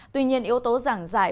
tuy nhiên yếu tố giảng giải